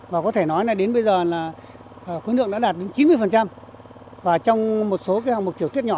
và có thể nói đến bây giờ là khối lượng đã đạt đến chín mươi và trong một số hòng mục kiểu tiết nhỏ